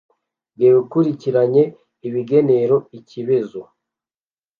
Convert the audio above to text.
bw’ebekurikirenye ibigeniro Ikibezo